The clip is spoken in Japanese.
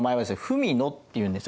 「文野」っていうんですよ。